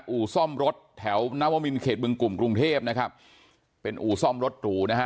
อู่ซ่อมรถแถวนวมินเขตบึงกลุ่มกรุงเทพนะครับเป็นอู่ซ่อมรถหรูนะฮะ